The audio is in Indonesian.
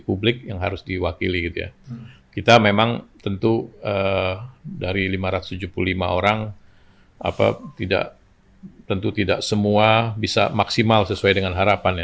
publik yang harus diwakili gitu ya kita memang tentu dari lima ratus tujuh puluh lima orang apa tidak tentu tidak semua bisa maksimal sesuai dengan harapan